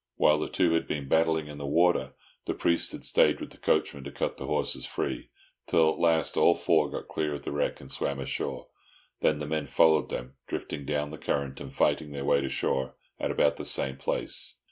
While the two had been battling in the water, the priest had stayed with the coachman to cut the horses free, till at last all four got clear of the wreck, and swam ashore. Then the men followed them, drifting down the current and fighting their way to shore at about the same place.